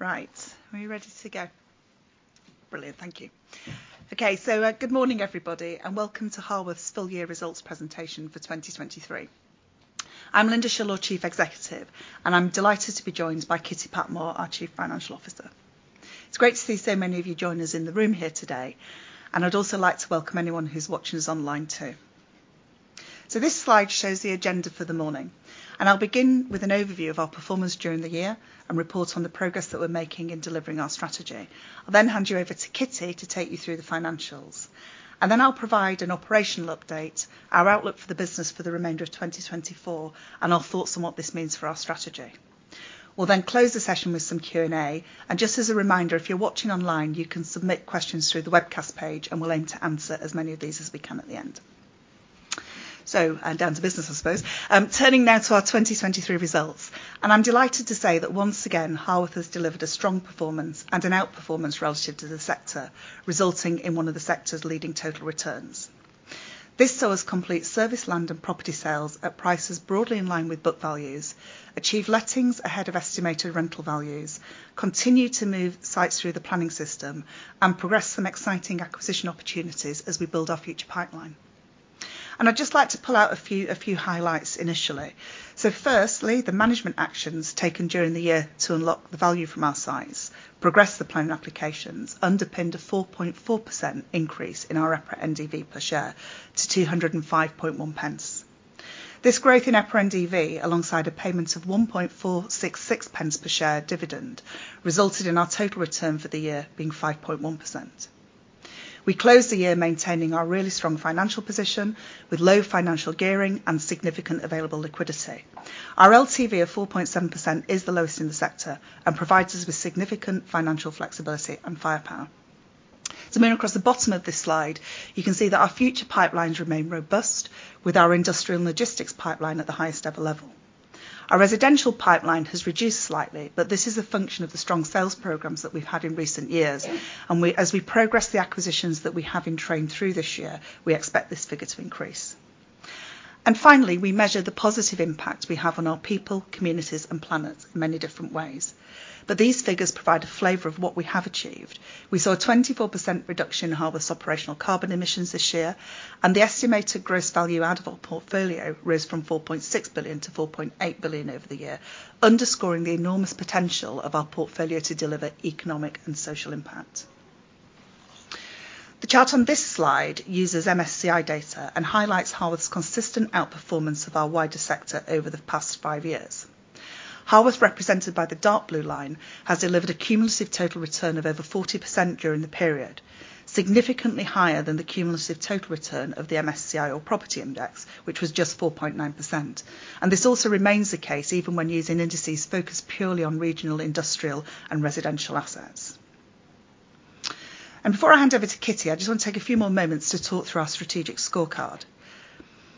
Right, are we ready to go? Brilliant, thank you. Okay, so, good morning, everybody, and welcome to Harworth's full year results presentation for 2023. I'm Lynda Shillaw, Chief Executive, and I'm delighted to be joined by Kitty Patmore, our Chief Financial Officer. It's great to see so many of you join us in the room here today, and I'd also like to welcome anyone who's watching us online, too. So this slide shows the agenda for the morning, and I'll begin with an overview of our performance during the year and report on the progress that we're making in delivering our strategy. I'll then hand you over to Kitty to take you through the financials, and then I'll provide an operational update, our outlook for the business for the remainder of 2024, and our thoughts on what this means for our strategy. We'll then close the session with some Q&A, and just as a reminder, if you're watching online, you can submit questions through the webcast page, and we'll aim to answer as many of these as we can at the end. So, and down to business, I suppose. Turning now to our 2023 results, and I'm delighted to say that once again, Harworth has delivered a strong performance and an outperformance relative to the sector, resulting in one of the sector's leading total returns. This saw us complete service, land, and property sales at prices broadly in line with book values, achieve lettings ahead of estimated rental values, continue to move sites through the planning system, and progress some exciting acquisition opportunities as we build our future pipeline. And I'd just like to pull out a few, a few highlights initially. So firstly, the management actions taken during the year to unlock the value from our sites, progress the planning applications, underpinned a 4.4% increase in our EPRA NDV per share to 2.051. This growth in EPRA NDV, alongside a payment of 0.01466 per share dividend, resulted in our total return for the year being 5.1%. We closed the year maintaining our really strong financial position, with low financial gearing and significant available liquidity. Our LTV of 4.7% is the lowest in the sector and provides us with significant financial flexibility and firepower. So, moving across the bottom of this slide, you can see that our future pipelines remain robust, with our industrial and logistics pipeline at the highest ever level. Our residential pipeline has reduced slightly, but this is a function of the strong sales programs that we've had in recent years, and we, as we progress the acquisitions that we have in train through this year, we expect this figure to increase. Finally, we measure the positive impact we have on our people, communities, and planet in many different ways. These figures provide a flavor of what we have achieved. We saw a 24% reduction in Harworth's operational carbon emissions this year, and the estimated gross value added of our portfolio rose from 4.6 billion to 4.8 billion over the year, underscoring the enormous potential of our portfolio to deliver economic and social impact. The chart on this slide uses MSCI data and highlights Harworth's consistent outperformance of our wider sector over the past 5 years. Harworth, represented by the dark blue line, has delivered a cumulative total return of over 40% during the period, significantly higher than the cumulative total return of the MSCI All Property Index, which was just 4.9%. This also remains the case even when using indices focused purely on regional, industrial, and residential assets. Before I hand over to Kitty, I just want to take a few more moments to talk through our strategic scorecard.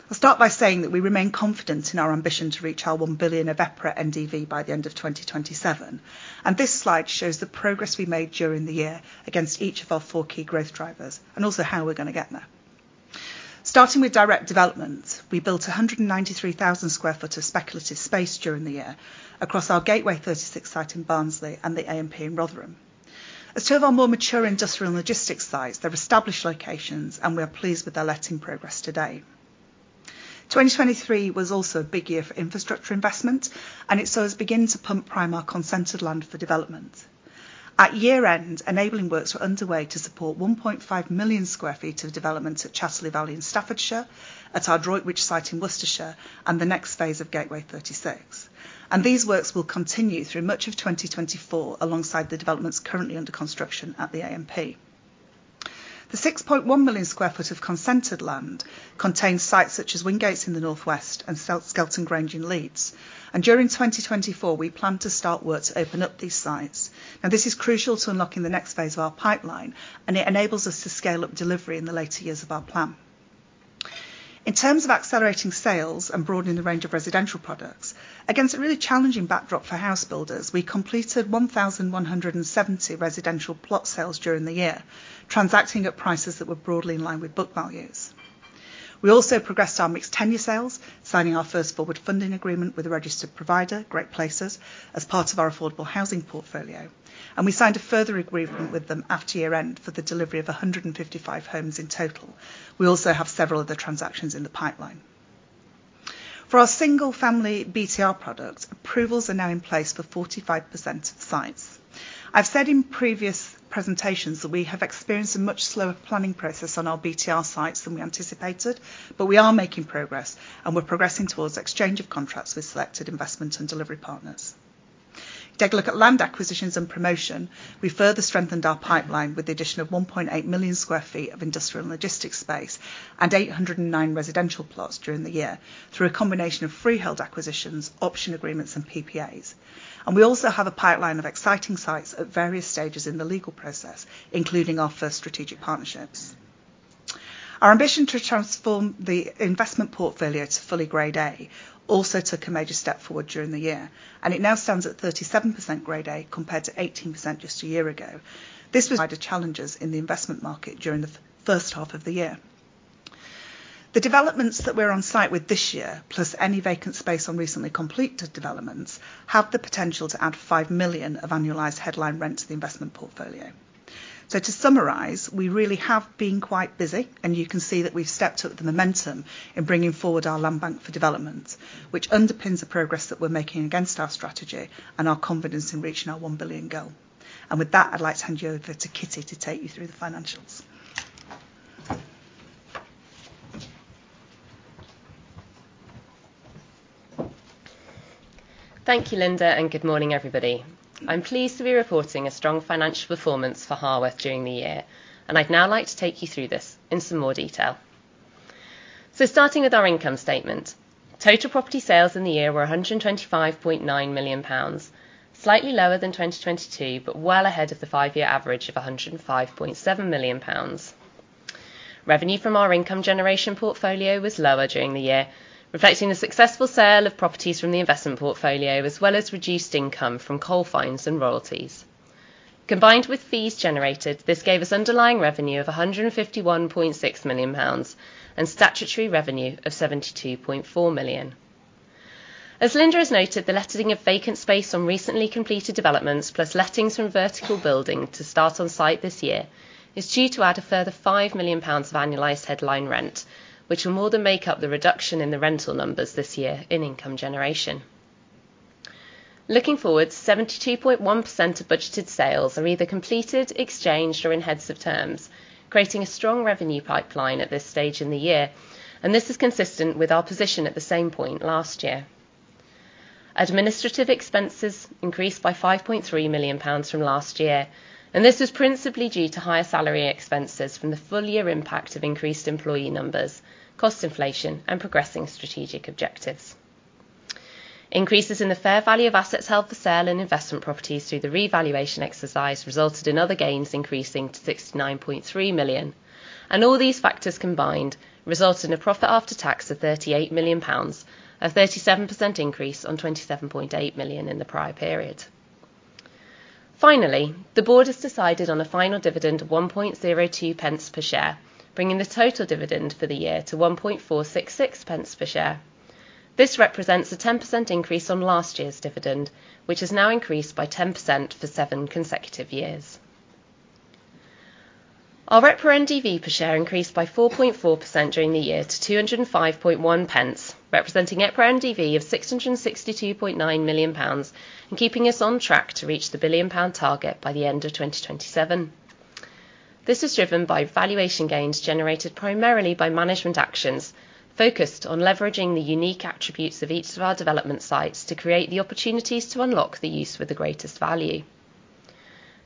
I'll start by saying that we remain confident in our ambition to reach our 1 billion of EPRA NDV by the end of 2027, and this slide shows the progress we made during the year against each of our 4 key growth drivers and also how we're gonna get there. Starting with direct developments, we built 193,000 sq ft of speculative space during the year across our Gateway 36 site in Barnsley and the AMP in Rotherham. As two of our more mature industrial and logistics sites, they're established locations, and we are pleased with their letting progress today. 2023 was also a big year for infrastructure investment, and it saw us begin to pump prime our consented land for development. At year-end, enabling works were underway to support 1.5 million sq ft of development at Chatterley Valley in Staffordshire, at our Droitwich site in Worcestershire, and the next phase of Gateway 36. And these works will continue through much of 2024, alongside the developments currently under construction at the AMP. The 6.1 million sq ft of consented land contains sites such as Wingates in the northwest and South Skelton Grange in Leeds. During 2024, we plan to start work to open up these sites. Now, this is crucial to unlocking the next phase of our pipeline, and it enables us to scale up delivery in the later years of our plan. In terms of accelerating sales and broadening the range of residential products, against a really challenging backdrop for house builders, we completed 1,170 residential plot sales during the year, transacting at prices that were broadly in line with book values. We also progressed our mixed tenure sales, signing our first forward funding agreement with a registered provider, Great Places, as part of our affordable housing portfolio, and we signed a further agreement with them after year-end for the delivery of 155 homes in total. We also have several other transactions in the pipeline. For our single-family BTR product, approvals are now in place for 45% of sites. I've said in previous presentations that we have experienced a much slower planning process on our BTR sites than we anticipated, but we are making progress, and we're progressing towards exchange of contracts with selected investment and delivery partners. Take a look at land acquisitions and promotion. We further strengthened our pipeline with the addition of 1.8 million sq ft of industrial and logistics space and 809 residential plots during the year through a combination of freehold acquisitions, option agreements, and PPAs. We also have a pipeline of exciting sites at various stages in the legal process, including our first strategic partnerships. Our ambition to transform the investment portfolio to fully Grade A also took a major step forward during the year, and it now stands at 37% Grade A, compared to 18% just a year ago. This was wider challenges in the investment market during the first half of the year. The developments that we're on site with this year, plus any vacant space on recently completed developments, have the potential to add 5 million of annualized headline rent to the investment portfolio. To summarize, we really have been quite busy, and you can see that we've stepped up the momentum in bringing forward our land bank for development, which underpins the progress that we're making against our strategy and our confidence in reaching our 1 billion goal. With that, I'd like to hand you over to Kitty to take you through the financials. Thank you, Lynda, and good morning, everybody. I'm pleased to be reporting a strong financial performance for Harworth during the year, and I'd now like to take you through this in some more detail. Starting with our income statement. Total property sales in the year were 125.9 million pounds, slightly lower than 2022, but well ahead of the five-year average of 105.7 million pounds. Revenue from our income generation portfolio was lower during the year, reflecting the successful sale of properties from the investment portfolio, as well as reduced income from coal fines and royalties. Combined with fees generated, this gave us underlying revenue of 151.6 million pounds, and statutory revenue of 72.4 million. As Lynda has noted, the letting of vacant space on recently completed developments, plus lettings from vertical building to start on site this year, is due to add a further 5 million pounds of annualized headline rent, which will more than make up the reduction in the rental numbers this year in income generation. Looking forward, 72.1% of budgeted sales are either completed, exchanged, or in heads of terms, creating a strong revenue pipeline at this stage in the year, and this is consistent with our position at the same point last year. Administrative expenses increased by 5.3 million pounds from last year, and this is principally due to higher salary expenses from the full year impact of increased employee numbers, cost inflation, and progressing strategic objectives. Increases in the fair value of assets held for sale and investment properties through the revaluation exercise resulted in other gains, increasing to 69.3 million. All these factors combined resulted in a profit after tax of 38 million pounds, a 37% increase on 27.8 million in the prior period. Finally, the board has decided on a final dividend of 1.02 pence per share, bringing the total dividend for the year to 1.466 pence per share. This represents a 10% increase on last year's dividend, which has now increased by 10% for 7 consecutive years. Our EPRA NDV per share increased by 4.4% during the year to 2.051, representing EPRA NDV of GBP 662.9 million, and keeping us on track to reach the 1 billion pound target by the end of 2027. This is driven by valuation gains generated primarily by management actions, focused on leveraging the unique attributes of each of our development sites to create the opportunities to unlock the use with the greatest value.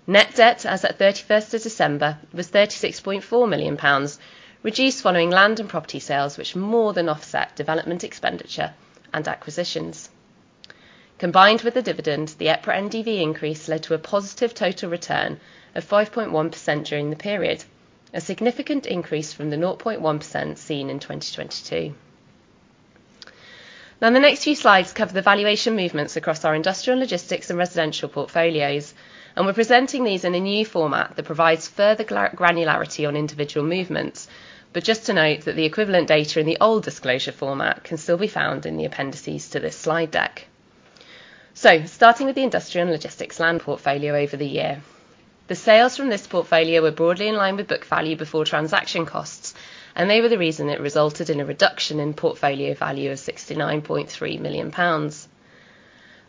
Net debt as at 31 December was 36.4 million pounds, reduced following land and property sales, which more than offset development expenditure and acquisitions. Combined with the dividend, the EPRA NDV increase led to a positive total return of 5.1% during the period, a significant increase from the 0.1% seen in 2022. Now, the next few slides cover the valuation movements across our industrial logistics and residential portfolios, and we're presenting these in a new format that provides further granularity on individual movements. Just to note that the equivalent data in the old disclosure format can still be found in the appendices to this slide deck. Starting with the industrial and logistics land portfolio over the year. The sales from this portfolio were broadly in line with book value before transaction costs, and they were the reason it resulted in a reduction in portfolio value of 69.3 million pounds.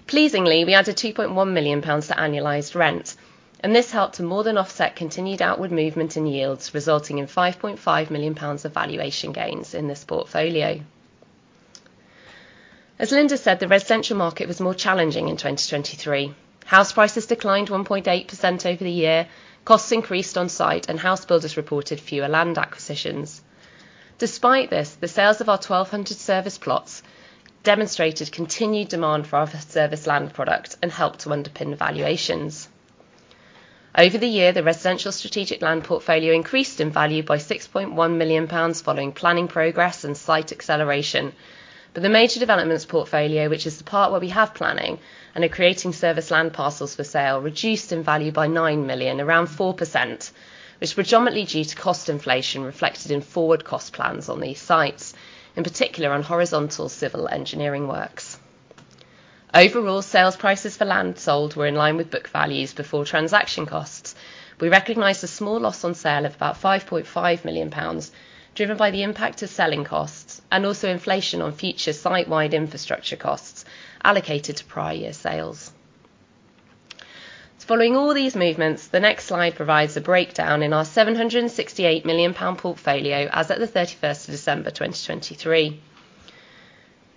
Pleasingly, we added 2.1 million pounds to annualized rent, and this helped to more than offset continued outward movement in yields, resulting in 5.5 million pounds of valuation gains in this portfolio. As Lynda said, the residential market was more challenging in 2023. House prices declined 1.8% over the year, costs increased on-site, and house builders reported fewer land acquisitions. Despite this, the sales of our 1,200 serviced plots demonstrated continued demand for our serviced land product and helped to underpin valuations. Over the year, the residential strategic land portfolio increased in value by 6.1 million pounds, following planning progress and site acceleration. The major developments portfolio, which is the part where we have planning and are creating serviced land parcels for sale, reduced in value by 9 million, around 4%, which was predominantly due to cost inflation reflected in forward cost plans on these sites, in particular on horizontal civil engineering works. Overall, sales prices for land sold were in line with book values before transaction costs. We recognized a small loss on sale of about 5.5 million pounds, driven by the impact of selling costs and also inflation on future site-wide infrastructure costs allocated to prior year sales. Following all these movements, the next slide provides a breakdown in our 768 million pound portfolio as at the 31st of December, 2023.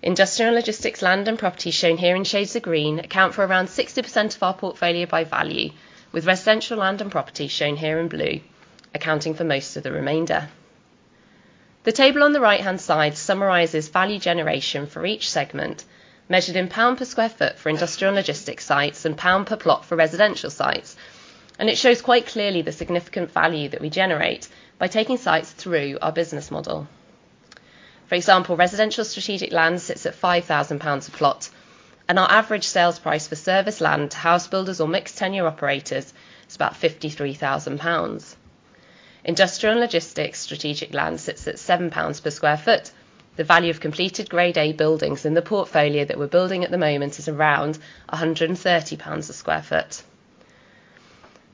Industrial logistics, land, and property, shown here in shades of green, account for around 60% of our portfolio by value, with residential land and property, shown here in blue, accounting for most of the remainder. The table on the right-hand side summarizes value generation for each segment, measured in pound per sq ft for industrial logistics sites and pound per plot for residential sites. It shows quite clearly the significant value that we generate by taking sites through our business model. For example, residential strategic land sits at 5,000 pounds a plot, and our average sales price for service land, house builders, or mixed tenure operators is about 53,000 pounds. Industrial and logistics strategic land sits at 7 pounds per sq ft. The value of completed Grade A buildings in the portfolio that we're building at the moment is around 130 pounds per sq ft.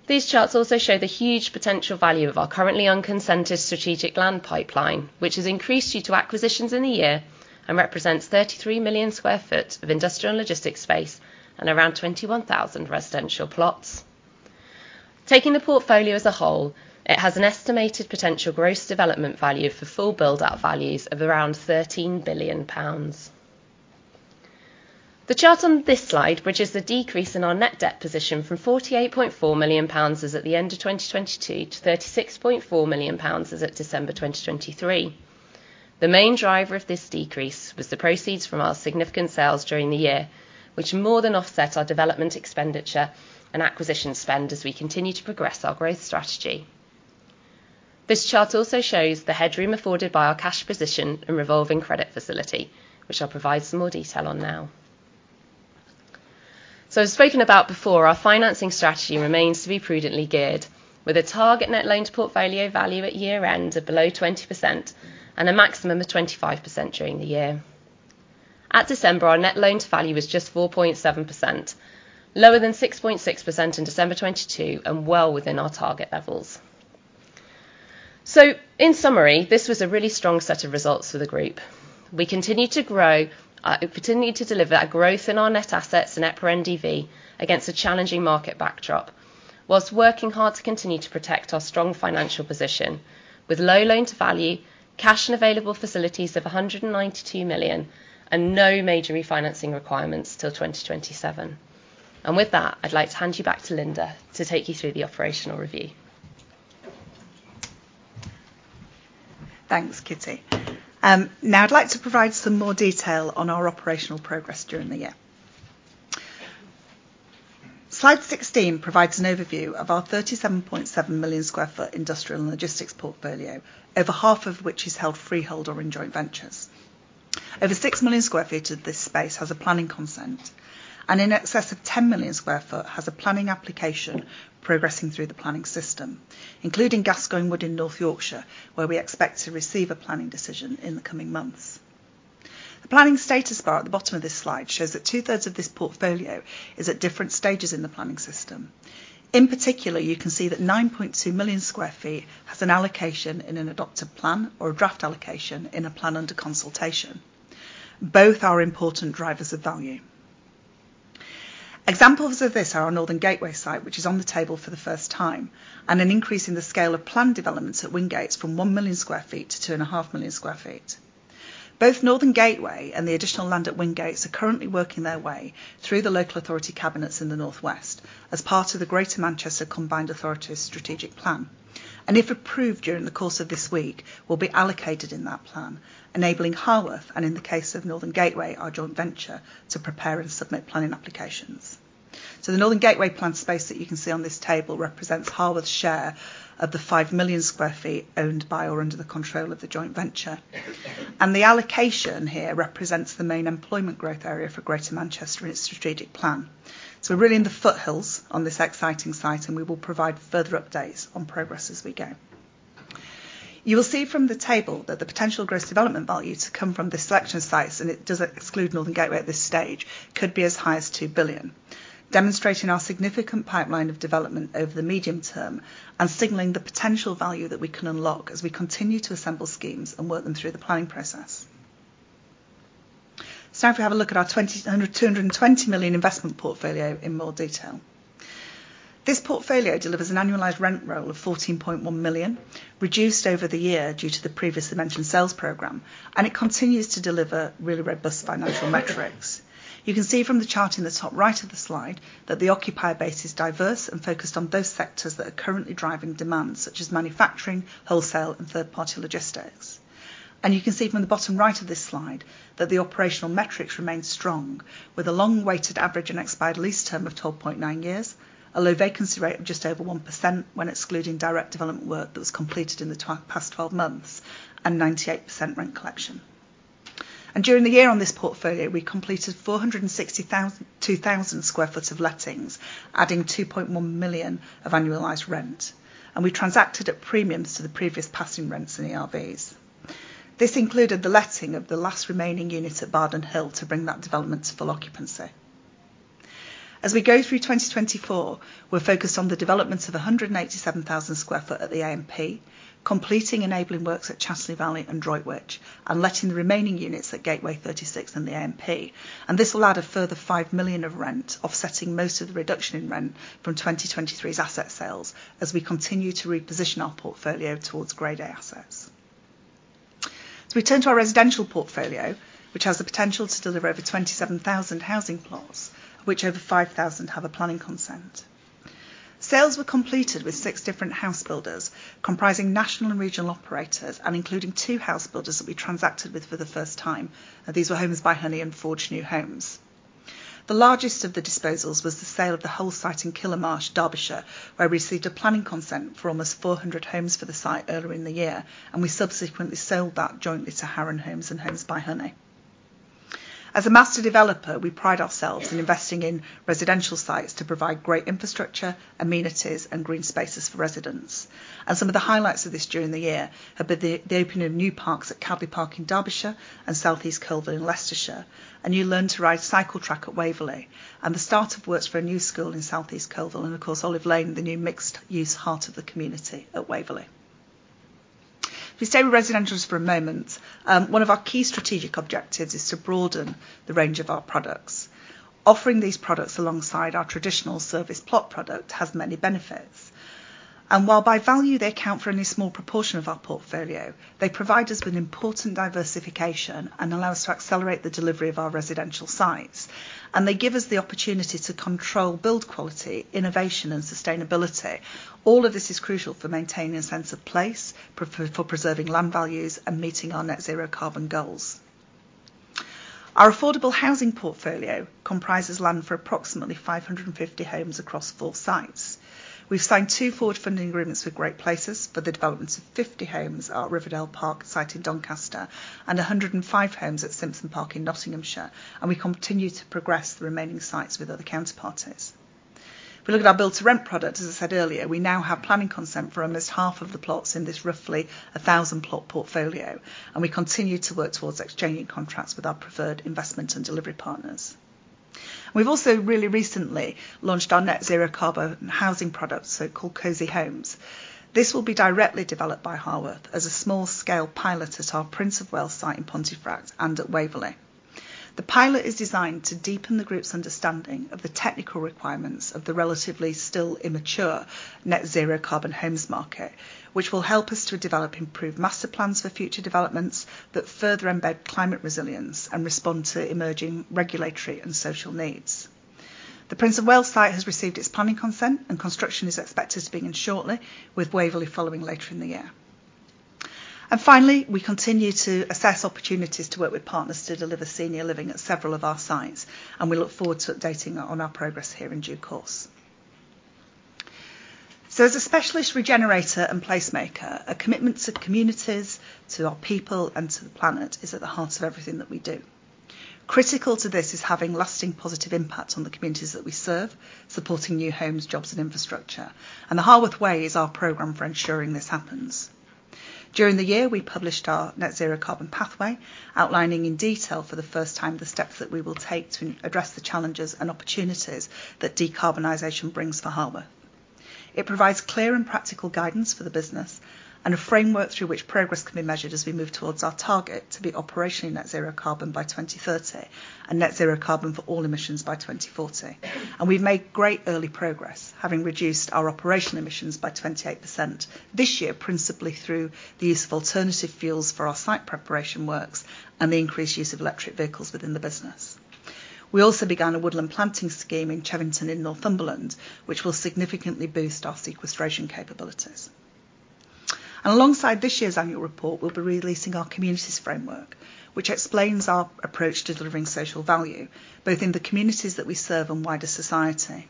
These charts also show the huge potential value of our currently unconcentrated strategic land pipeline, which has increased due to acquisitions in the year and represents 33 million sq ft of industrial and logistics space and around 21,000 residential plots. Taking the portfolio as a whole, it has an estimated potential gross development value for full build-out values of around 13 billion pounds. The chart on this slide, which is the decrease in our net debt position from 48.4 million pounds as at the end of 2022 to 36.4 million pounds as at December 2023. The main driver of this decrease was the proceeds from our significant sales during the year, which more than offset our development expenditure and acquisition spend as we continue to progress our growth strategy. This chart also shows the headroom afforded by our cash position and revolving credit facility, which I'll provide some more detail on now. So, as spoken about before, our financing strategy remains to be prudently geared, with a target net loans portfolio value at year-end of below 20% and a maximum of 25% during the year. At December, our net loan to value was just 4.7%, lower than 6.6% in December 2022, and well within our target levels. So in summary, this was a really strong set of results for the group. We continue to grow, we continue to deliver a growth in our net assets and EPRA NDV against a challenging market backdrop, while working hard to continue to protect our strong financial position. With low loan to value, cash and available facilities of 192 million, and no major refinancing requirements till 2027. And with that, I'd like to hand you back to Lynda to take you through the operational review. Thanks, Kitty. Now, I'd like to provide some more detail on our operational progress during the year. Slide 16 provides an overview of our 37.7 million sq ft industrial and logistics portfolio, over half of which is held freehold or in joint ventures. Over 6 million sq ft of this space has a planning consent, and in excess of 10 million sq ft has a planning application progressing through the planning system, including Gascoigne Wood in North Yorkshire, where we expect to receive a planning decision in the coming months. The planning status bar at the bottom of this slide shows that two-thirds of this portfolio is at different stages in the planning system. In particular, you can see that 9.2 million sq ft has an allocation in an adopted plan or a draft allocation in a plan under consultation. Both are important drivers of value. Examples of this are our Northern Gateway site, which is on the table for the first time, and an increase in the scale of planned developments at Wingates from 1 million sq ft to 2.5 million sq ft. Both Northern Gateway and the additional land at Wingates are currently working their way through the local authority cabinets in the Northwest as part of the Greater Manchester Combined Authorities strategic plan, and if approved, during the course of this week, will be allocated in that plan, enabling Harworth, and in the case of Northern Gateway, our joint venture, to prepare and submit planning applications. So, the Northern Gateway plan space that you can see on this table represents Harworth's share of the 5 million sq ft owned by or under the control of the joint venture. The allocation here represents the main employment growth area for Greater Manchester in its strategic plan. We're really in the foothills on this exciting site, and we will provide further updates on progress as we go. You will see from the table that the potential gross development value to come from this selection of sites, and it does exclude Northern Gateway at this stage, could be as high as 2 billion, demonstrating our significant pipeline of development over the medium term and signaling the potential value that we can unlock as we continue to assemble schemes and work them through the planning process. Now, if we have a look at our 200-220 million investment portfolio in more detail. This portfolio delivers an annualized rent roll of 14.1 million, reduced over the year due to the previously mentioned sales program, and it continues to deliver really robust financial metrics. You can see from the chart in the top right of the slide that the occupier base is diverse and focused on those sectors that are currently driving demand, such as manufacturing, wholesale, and third-party logistics. You can see from the bottom right of this slide that the operational metrics remain strong, with a long weighted average and expired lease term of 12.9 years, a low vacancy rate of just over 1% when excluding direct development work that was completed in the past twelve months, and 98% rent collection. During the year on this portfolio, we completed 462,000 sq ft of lettings, adding 2.1 million of annualized rent, and we transacted at premiums to the previous passing rents in the RVs. This included the letting of the last remaining unit at Bardon Hill to bring that development to full occupancy. As we go through 2024, we're focused on the developments of 187,000 sq ft at the AMP, completing enabling works at Chatterley Valley and Droitwich, and letting the remaining units at Gateway 36 and the AMP. This will add a further 5 million of rent, offsetting most of the reduction in rent from 2023's asset sales as we continue to reposition our portfolio towards Grade A assets. We turn to our residential portfolio, which has the potential to deliver over 27,000 housing plots, which over 5,000 have a planning consent. Sales were completed with 6 different house builders, comprising national and regional operators, and including two house builders that we transacted with for the first time. These were Homes by Honey and Forge New Homes. The largest of the disposals was the sale of the whole site in Killamarsh, Derbyshire, where we received a planning consent for almost 400 homes for the site earlier in the year, and we subsequently sold that jointly to Harron Homes and Homes by Honey. As a master developer, we pride ourselves in investing in residential sites to provide great infrastructure, amenities, and green spaces for residents. Some of the highlights of this during the year have been the opening of new parks at Cadley Park in Derbyshire and South East Coalville in Leicestershire, a new learn to ride cycle track at Waverley, and the start of works for a new school in South East Coalville, and of course, Olive Lane, the new mixed-use heart of the community at Waverley. If we stay with residentials for a moment, one of our key strategic objectives is to broaden the range of our products. Offering these products alongside our traditional service plot product has many benefits, and while by value, they account for only a small proportion of our portfolio, they provide us with important diversification and allow us to accelerate the delivery of our residential sites. They give us the opportunity to control build quality, innovation, and sustainability. All of this is crucial for maintaining a sense of place, for preserving land values, and meeting our Net Zero Carbon goals. Our affordable housing portfolio comprises land for approximately 550 homes across four sites. We've signed two forward funding agreements with Great Places for the developments of 50 homes at Riverdale Park site in Doncaster, and 105 homes at Simpson Park in Nottinghamshire, and we continue to progress the remaining sites with other counterparties. If we look at our Build to Rent product, as I said earlier, we now have planning consent for almost half of the plots in this, roughly 1,000-plot portfolio, and we continue to work towards exchanging contracts with our preferred investment and delivery partners. We've also really recently launched our Net Zero Carbon housing products, so called Cozy Homes. This will be directly developed by Harworth as a small-scale pilot at our Prince of Wales site in Pontefract and at Waverley. The pilot is designed to deepen the group's understanding of the technical requirements of the relatively still immature Net Zero Carbon homes market, which will help us to develop improved master plans for future developments that further embed climate resilience and respond to emerging regulatory and social needs. The Prince of Wales site has received its planning consent, and construction is expected to begin shortly, with Waverley following later in the year. And finally, we continue to assess opportunities to work with partners to deliver senior living at several of our sites, and we look forward to updating on our progress here in due course. As a specialist regenerator and placemaker, a commitment to communities, to our people, and to the planet is at the heart of everything that we do. Critical to this is having lasting positive impacts on the communities that we serve, supporting new homes, jobs and infrastructure. The Harworth Way is our program for ensuring this happens. During the year, we published our Net Zero Carbon pathway, outlining in detail for the first time, the steps that we will take to address the challenges and opportunities that decarbonization brings for Harworth. It provides clear and practical guidance for the business and a framework through which progress can be measured as we move towards our target to be operationally Net Zero Carbon by 2030, and Net Zero Carbon for all emissions by 2040. We've made great early progress, having reduced our operational emissions by 28% this year, principally through the use of alternative fuels for our site preparation works and the increased use of electric vehicles within the business. We also began a woodland planting scheme in Chevington, in Northumberland, which will significantly boost our sequestration capabilities. Alongside this year's annual report, we'll be releasing our communities framework, which explains our approach to delivering social value, both in the communities that we serve and wider society.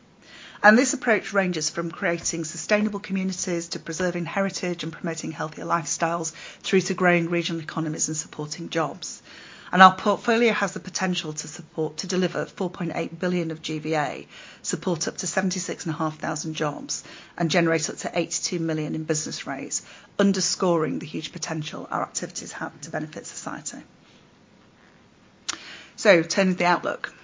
This approach ranges from creating sustainable communities to preserving heritage and promoting healthier lifestyles, through to growing regional economies and supporting jobs. Our portfolio has the potential to support, to deliver 4.8 billion of GVA, support up to 76,500 jobs, and generate up to 82 million in business rates, underscoring the huge potential our activities have to benefit society. Turning to the outlook.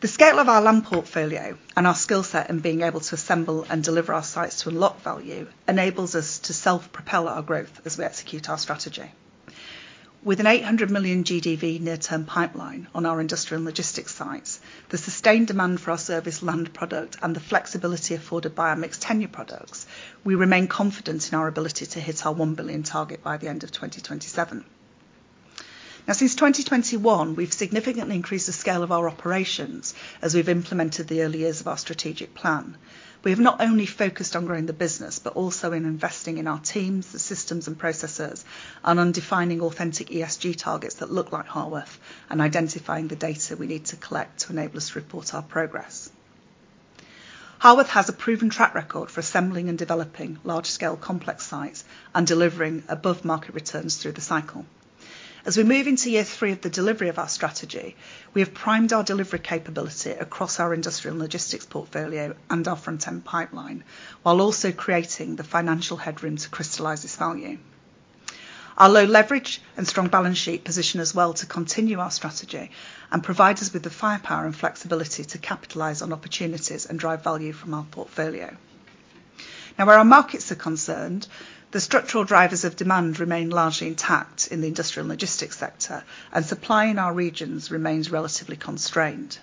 The scale of our land portfolio and our skill set in being able to assemble and deliver our sites to unlock value, enables us to self-propel our growth as we execute our strategy. With a 800 million GDV near-term pipeline on our industrial and logistics sites, the sustained demand for our service land product and the flexibility afforded by our mixed tenure products, we remain confident in our ability to hit our 1 billion target by the end of 2027. Now, since 2021, we've significantly increased the scale of our operations as we've implemented the early years of our strategic plan. We have not only focused on growing the business, but also in investing in our teams, the systems and processes, and on defining authentic ESG targets that look like Harworth, and identifying the data we need to collect to enable us to report our progress. Harworth has a proven track record for assembling and developing large-scale, complex sites and delivering above-market returns through the cycle. As we move into year three of the delivery of our strategy, we have primed our delivery capability across our industrial and logistics portfolio and our front-end pipeline, while also creating the financial headroom to crystallize this value. Our low leverage and strong balance sheet position as well, to continue our strategy and provide us with the firepower and flexibility to capitalize on opportunities and drive value from our portfolio. Now, where our markets are concerned, the structural drivers of demand remain largely intact in the industrial logistics sector, and supply in our regions remains relatively constrained.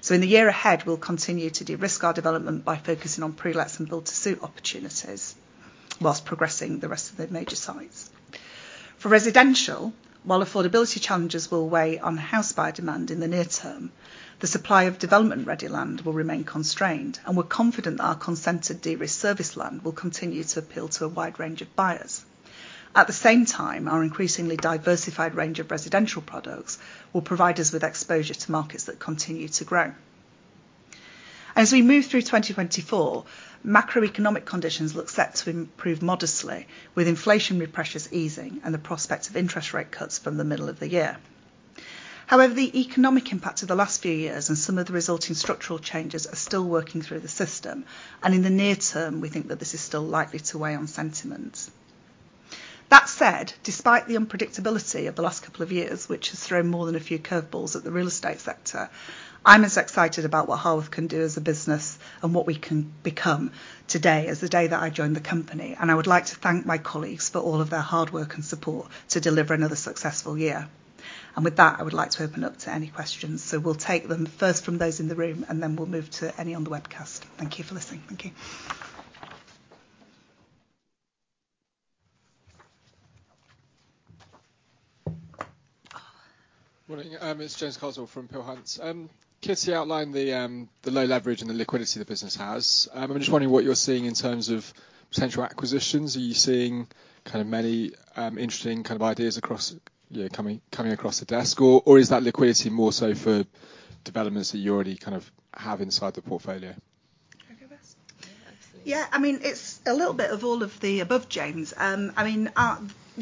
So, in the year ahead, we'll continue to de-risk our development by focusing on pre-lets and build-to-suit opportunities, while progressing the rest of the major sites. For residential, while affordability challenges will weigh on house buyer demand in the near term, the supply of development-ready land will remain constrained, and we're confident that our consented de-risk service land will continue to appeal to a wide range of buyers. At the same time, our increasingly diversified range of residential products will provide us with exposure to markets that continue to grow.... As we move through 2024, macroeconomic conditions look set to improve modestly, with inflationary pressures easing and the prospect of interest rate cuts from the middle of the year. However, the economic impact of the last few years and some of the resulting structural changes are still working through the system, and in the near term, we think that this is still likely to weigh on sentiment. That said, despite the unpredictability of the last couple of years, which has thrown more than a few curveballs at the real estate sector, I'm as excited about what Harworth can do as a business and what we can become today, as the day that I joined the company. With that, I would like to open up to any questions. So, we'll take them first from those in the room, and then we'll move to any on the webcast. Thank you for listening. Thank you. Morning, it's James Castle from Peel Hunt. Kitty outlined the low leverage and the liquidity the business has. I'm just wondering what you're seeing in terms of potential acquisitions. Are you seeing kind of many interesting kind of ideas across, yeah, coming across the desk, or is that liquidity more so for developments that you already kind of have inside the portfolio? I'll go first. Yeah, absolutely. Yeah, I mean, it's a little bit of all of the above, James. I mean,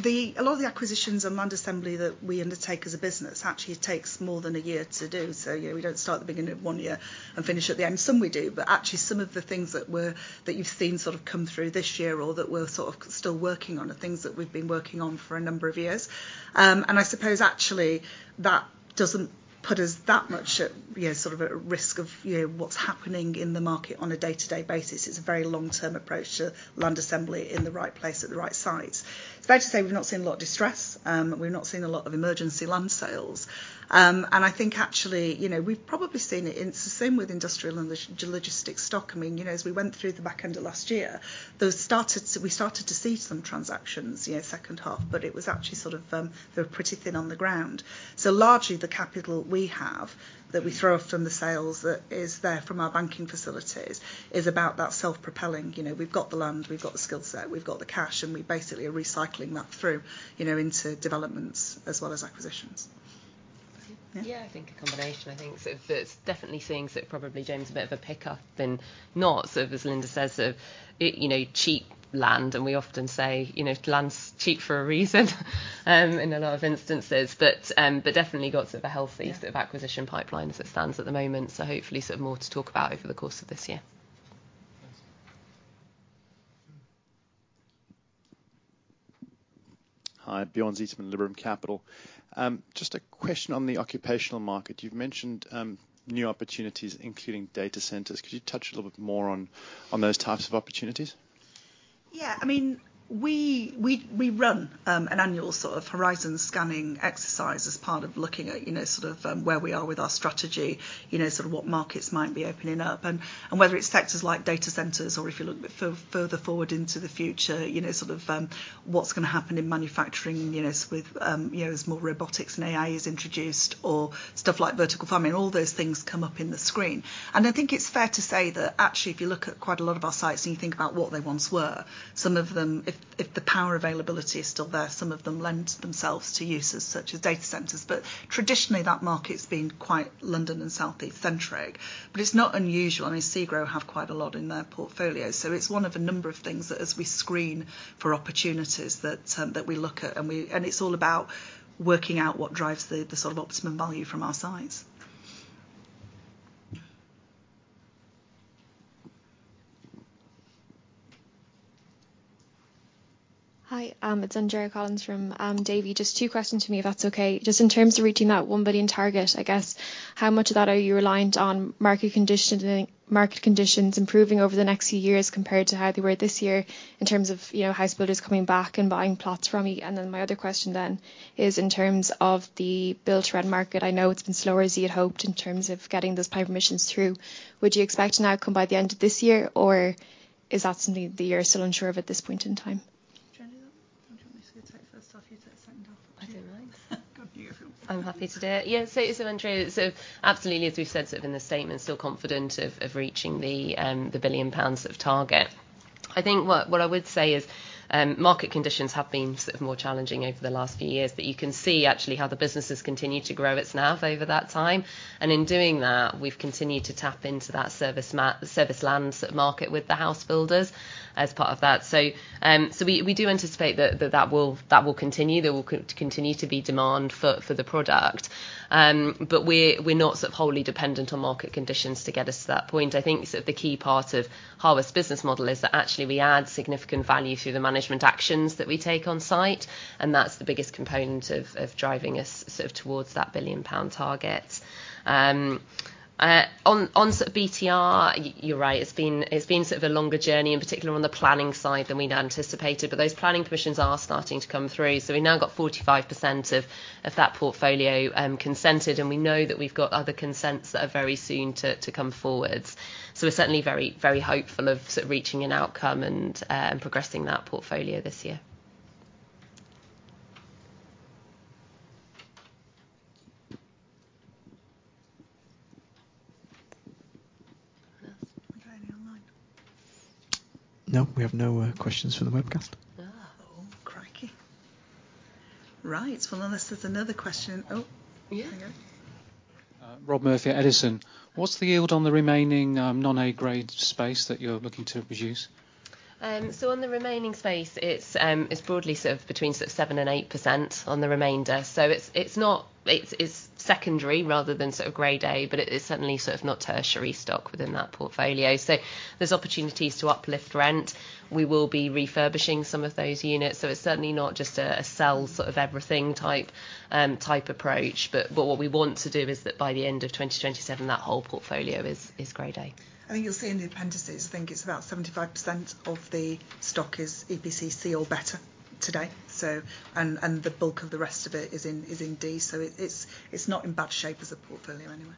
a lot of the acquisitions and land assembly that we undertake as a business actually takes more than a year to do so. Yeah, we don't start at the beginning of one year and finish at the end. Some we do, but actually, some of the things that you've seen sort of come through this year or that we're sort of still working on, are things that we've been working on for a number of years. And I suppose, actually, that doesn't put us that much at, yeah, sort of at risk of, you know, what's happening in the market on a day-to-day basis. It's a very long-term approach to land assembly in the right place, at the right site. It's fair to say we've not seen a lot of distress, we've not seen a lot of emergency land sales. And I think, actually, you know, we've probably seen it, and it's the same with industrial and logistics stock. I mean, you know, as we went through the back end of last year, we started to see some transactions, you know, second half, but it was actually sort of, they were pretty thin on the ground. So largely, the capital we have, that we throw off from the sales, that is there from our banking facilities, is about that self-propelling. You know, we've got the land, we've got the skill set, we've got the cash, and we basically are recycling that through, you know, into developments as well as acquisitions. Yeah, I think a combination. I think so there's definitely things that probably, James, a bit of a pickup than not. So, as Lynda says, so, you know, cheap land, and we often say, you know, land's cheap for a reason, in a lot of instances. But, but definitely got sort of a healthy- Yeah sort of acquisition pipelines that stands at the moment, so hopefully sort of more to talk about over the course of this year. Thanks. Hi, Bjorn Ziesemer, Liberum Capital. Just a question on the occupational market. You've mentioned new opportunities, including data centers. Could you touch a little bit more on those types of opportunities? Yeah, I mean, we run an annual sort of horizon-scanning exercise as part of looking at, you know, sort of, where we are with our strategy, you know, sort of what markets might be opening up. And whether it's sectors like data centers, or if you look further forward into the future, you know, sort of, what's gonna happen in manufacturing, you know, with, you know, as more robotics and AI is introduced, or stuff like vertical farming, all those things come up in the screen. And I think it's fair to say that, actually, if you look at quite a lot of our sites and you think about what they once were, some of them, if the power availability is still there, some of them lend themselves to uses such as data centers. But traditionally, that market's been quite London and Southeast-centric. But it's not unusual. I mean, SEGRO have quite a lot in their portfolio, so, it's one of a number of things that, as we screen for opportunities, that we look at, and it's all about working out what drives the sort of optimum value from our sites. Hi, it's Andrea Collins from Davy. Just two questions from me, if that's okay. Just in terms of reaching that 1 billion target, I guess, how much of that are you reliant on market conditions improving over the next few years, compared to how they were this year, in terms of, you know, house builders coming back and buying plots from you? Then my other question then is, in terms of the build-to-rent market, I know it's been slower as you had hoped in terms of getting those permissions through. Would you expect an outcome by the end of this year, or is that something that you're still unsure of at this point in time? Do you want to do that? Do you want me to take first half, you take the second half? I don't mind. Go on, you go. I'm happy to do it. Yeah, so, Andrea, so absolutely, as we've said, sort of in the statement, still confident of reaching the 1 billion pounds target. I think what I would say is, market conditions have been sort of more challenging over the last few years, but you can see actually how the business has continued to grow its NAV over that time. And in doing that, we've continued to tap into that serviced lands market with the house builders as part of that. So, we do anticipate that that will continue, there will continue to be demand for the product. But we're not sort of wholly dependent on market conditions to get us to that point. I think sort of the key part of Harworth's business model is that actually we add significant value through the management actions that we take on site, and that's the biggest component of driving us sort of towards that 1 billion pound target. On BTR, you're right, it's been, it's been sort of a longer journey, in particular on the planning side, than we'd anticipated, but those planning permissions are starting to come through. So, we've now got 45% of that portfolio consented, and we know that we've got other consents that are very soon to come forwards. So, we're certainly very, very hopeful of sort of reaching an outcome and progressing that portfolio this year. Any online? No, we have no questions for the webcast. Ah. Oh, crikey! Right. Well, unless there's another question... Oh, yeah. Rob Murphy at Edison. What's the yield on the remaining, non-A grade space that you're looking to produce? So, on the remaining space, it's broadly sort of between sort of 7%-8% on the remainder. So it's not. It's secondary rather than sort of Grade A, but it is certainly sort of not tertiary stock within that portfolio. So, there's opportunities to uplift rent. We will be refurbishing some of those units, so it's certainly not just a sell sort of everything type approach. But what we want to do is that by the end of 2027, that whole portfolio is Grade A. I think you'll see in the appendices, I think it's about 75% of the stock is EPC C or better today, so, and, and the bulk of the rest of it is in, is in D. So, it, it's, it's not in bad shape as a portfolio anyway.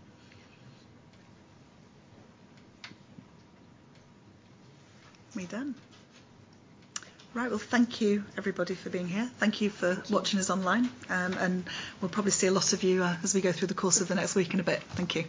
We done? Right. Well, thank you, everybody, for being here. Thank you for watching us online. And we'll probably see a lot of you as we go through the course of the next week and a bit. Thank you.